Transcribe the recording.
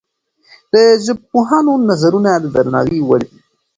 د ژبپوهانو نظرونه د درناوي وړ دي.